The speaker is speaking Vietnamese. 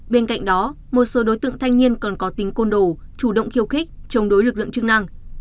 bên cạnh đó một số đối tượng thanh niên còn có tính côn đồ chủ động khiêu khích chống đối lực lượng chức năng